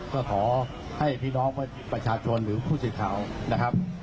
ก็ขอให้พี่น้องมันแต่ชาติชนหรือผู้สิทธิ์ขาวนะครับ